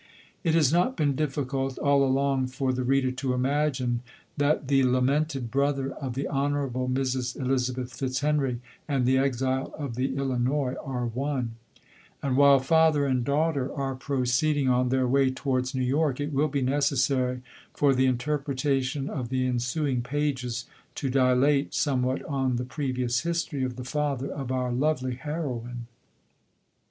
It has not been difficult all along for the 72 LODORE. reader to imagine, that the lamented brother of the honourable Mrs. Elizabeth Fitzhenry and the exile of the Illinois are one ; and while father and daughter are proceeding on their way towards New York, it will be necessary, for the interpretation of the ensuing pages, to dilate somewhat on the previous history of the father of our lovely heroine.